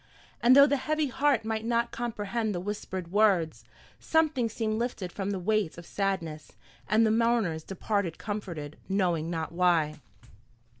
And though the heavy heart might not comprehend the whispered words, something seemed lifted from the weight of sadness, and the mourners departed comforted, knowing not why.